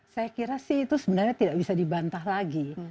saya kira sih itu sebenarnya tidak bisa dibantah lagi